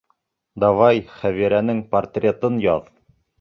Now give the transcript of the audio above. Давай, Хәбирәнең портретын яҙ!